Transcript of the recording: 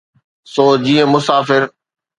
سو جيئن مسافر.